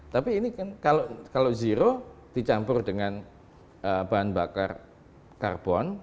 tapi ini kan kalau zero dicampur dengan bahan bakar karbon